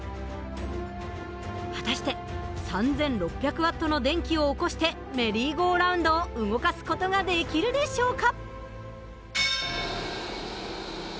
果たして３，６００Ｗの電気を起こしてメリーゴーラウンドを動かす事ができるでしょうか？